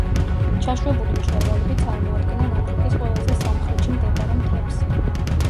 ჩაშვებული მწვერვალები წარმოადგენენ აფრიკის ყველაზე სამხრეთში მდებარე მთებს.